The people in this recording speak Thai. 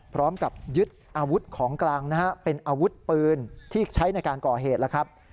พร้อมกับยึดอาวุธของกลางนะฮะเป็นอาวุธปืนที่ใช้ในการก่อเหตุแล้วครับ